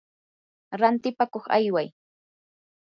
rantipakuq ayway.